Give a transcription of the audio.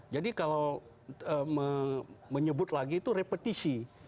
jadi kalau menyebut lagi itu repetisi